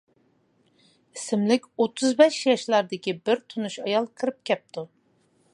ئىسىملىك ئوتتۇز بەش ياشلاردىكى بىر تونۇش ئايال كىرىپ كەپتۇ.